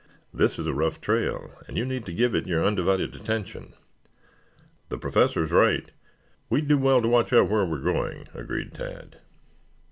"This is a rough trail, and you need to give it your undivided attention." "The Professor is right. We would do well to watch out where we are going," agreed Tad.